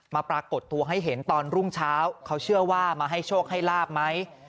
ปรากฏตัวให้เห็นตอนรุ่งเช้าเขาเชื่อว่ามาให้โชคให้ลาบไหม